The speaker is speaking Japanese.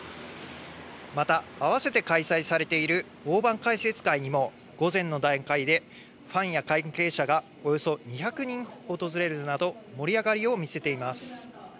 また、併せて開催されている大盤解説会にも午前の大会でファンや関係者がおよそ２００人ほど訪れるなど、盛り上がりを見せています。